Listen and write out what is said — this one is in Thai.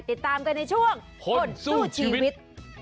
ติดตามกันในช่วงคนสู้ชีวิต